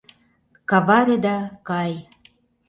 Каваре да — кай.